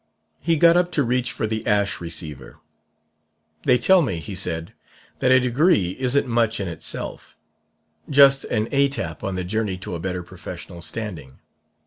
"He got up to reach for the ash receiver. 'They tell me,' he said, 'that a degree isn't much in itself just an étape on the journey to a better professional standing.'